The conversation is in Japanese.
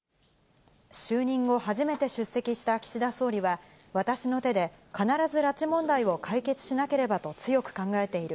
就任後初めて出席した岸田総理は、私の手で、必ず拉致問題を解決しなければと強く考えている。